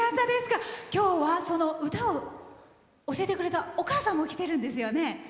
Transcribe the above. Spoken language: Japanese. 今日は、歌を教えてくれたお母さんも来てるんですよね。